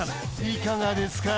いかがですか？